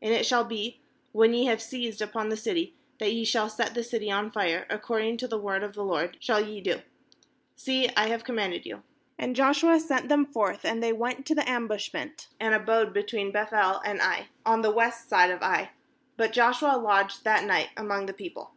8And it shall be, when ye have seized upon the city, that ye shall set the city on fire; according to the word of the LORD shall ye do; see, I have commanded you.7 9And Joshua sent them forth; and they went to the ambushment, and abode between Beth el and Ai, on the west side of Ai; but Joshua lodged that night among the people.